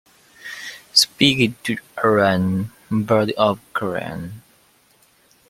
Speaking to Ryan Bird of Kerrang!